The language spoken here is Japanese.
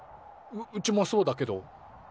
うちもそうだけど。